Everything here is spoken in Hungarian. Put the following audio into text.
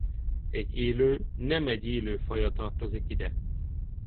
Egy élő nem egy élő faja tartozik ide.